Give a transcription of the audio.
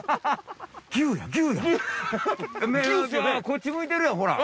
こっち向いてるよほら！